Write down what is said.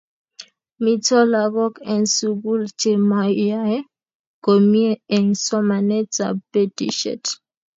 Mito lagok eng' sukul che mayae komie eng' somanet ab batishet